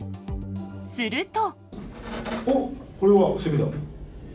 すると。